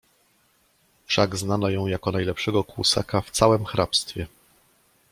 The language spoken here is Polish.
"Wszak znano ją jako najlepszego kłusaka w całem hrabstwie."